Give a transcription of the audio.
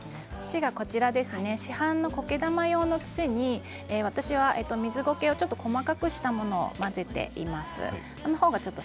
市販のコケ玉用の土に私はミズゴケを細かくしたものを混ぜています。